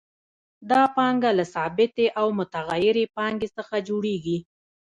دا پانګه له ثابتې او متغیرې پانګې څخه جوړېږي